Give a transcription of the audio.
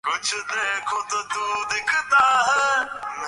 কটকের হরসুন্দর মাইতির তৈরি।